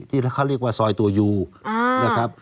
ที่เขาเรียกว่าซอยตัวยูนะครับ